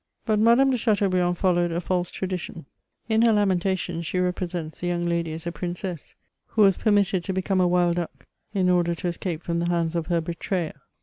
But Madame de Chateaubriand followed a false tradition; in her lamentcttion she represents the young lady as a princess, who was Permitted to become a wild duck in order to escape from the ands of her betrayer.